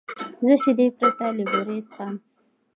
زه شیدې پرته له بوره څښم.